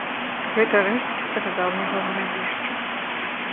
Гэта рэшткі старадаўняга гарадзішча.